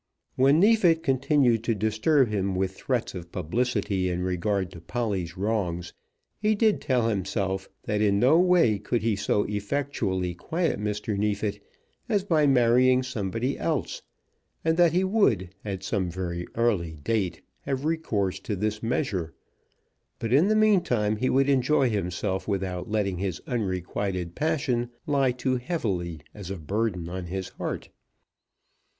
When Neefit continued to disturb him with threats of publicity in regard to Polly's wrongs, he did tell himself that in no way could he so effectually quiet Mr. Neefit as by marrying somebody else, and that he would, at some very early date, have recourse to this measure; but, in the meantime, he would enjoy himself without letting his unrequited passion lie too heavily as a burden on his heart.